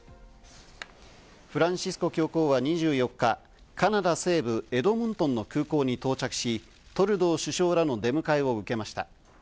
フランシスコ教皇は２４日、カナダ西部エドモントンの空港に到着し、トルドー首相らの出迎えを受けました。